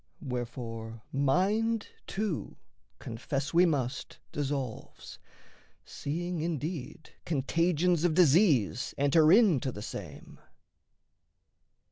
Wherefore mind too, confess we must, dissolves, Seeing, indeed, contagions of disease Enter into the same.